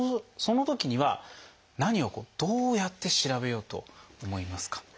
そのときには何をどうやって調べようと思いますか？